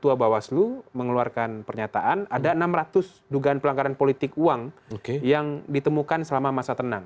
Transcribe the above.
ketua bawaslu mengeluarkan pernyataan ada enam ratus dugaan pelanggaran politik uang yang ditemukan selama masa tenang